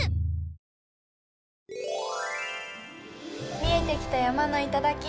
見えてきた山の頂。